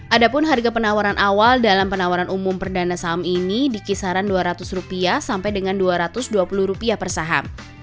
adapun harga penawaran awal dalam penawaran umum perdana saham ini dikisaran dua ratus rupiah sampai dengan dua ratus dua puluh rupiah per saham